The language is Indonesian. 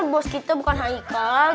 bos kita bukan haikal